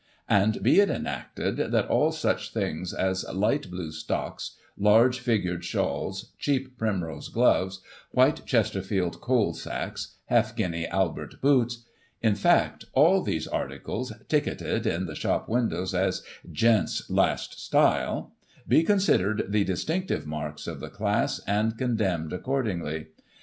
\I And be it enacted, that all such things as light blue stocks, large figured shawls, cheap primrose gloves, white Chesterfield coal sacks, half guinea Albert boots ; in fact, all those articles ticketed in the shop windows as " Gent's last style," be considered the distinctive marks of the class, and condemned accordingly.